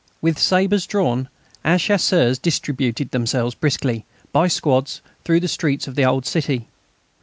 With sabres drawn, our Chasseurs distributed themselves briskly, by squads, through the streets of the old city.